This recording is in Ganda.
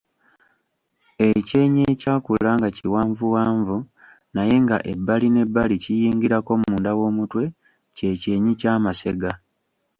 Ekyenyi ekyakula nga kiwanvuwanvu naye nga ebbali n’ebbali kiyingirako munda w’omutwe kye kyenyi ky’amasega.